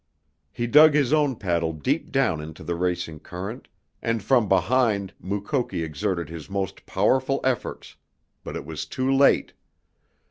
He dug his own paddle deep down into the racing current and from behind Mukoki exerted his most powerful efforts, but it was too late!